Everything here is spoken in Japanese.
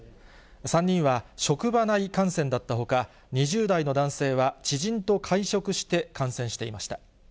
３人は職場内感染だったほか、２０代の男性は、知人と会食して感染していました。